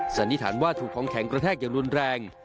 สันนิษฐานว่าถูกของแข็งกระแทกอย่างรุนแรง